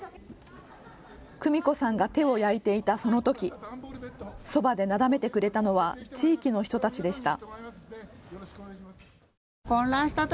久美子さんが手を焼いていたそのとき、そばでなだめてくれたのは地域の人たちでした。